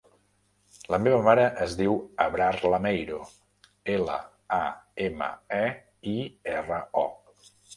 La meva mare es diu Abrar Lameiro: ela, a, ema, e, i, erra, o.